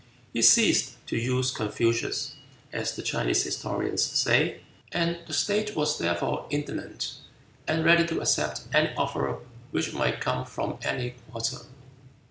He ceased "to use" Confucius, as the Chinese historians say, and the Sage was therefore indignant, and ready to accept any offer which might come from any quarter.